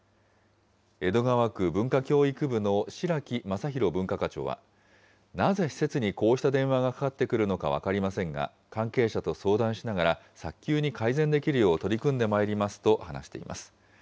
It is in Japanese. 江戸川区文化共育部の白木雅博文化課長は、なぜ施設にこうした電話がかかってくるのか分かりませんが、関係者と相談しながら、早急に改善できるよう取り組んでまいりますと話しています。